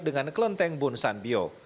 dengan kelenteng bun sanbio